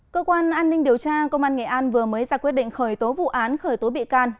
cơ quan an ninh điều tra công an nghệ an vừa mới ra quyết định khởi tố vụ án khởi tố bị can